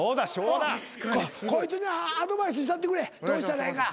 こいつにアドバイスしたってくれどうしたらええか。